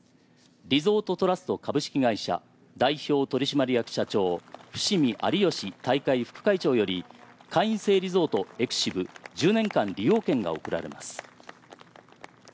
リゾートトラスト株式会社代表取締役社長伏見有貴大会副会長より会員制リゾート「エクシブ」１０年間利用権が贈られます。